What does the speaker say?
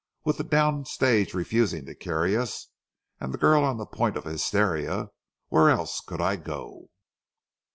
With the down stage refusing to carry us, and the girl on the point of hysteria, where else could I go?"